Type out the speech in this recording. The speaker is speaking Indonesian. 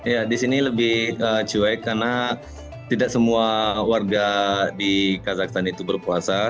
ya di sini lebih cuek karena tidak semua warga di kazakhstan itu berpuasa